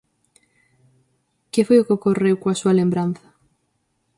Que foi o que ocorreu coa súa lembranza?